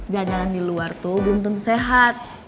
jajanan di luar tuh belum tentu sehat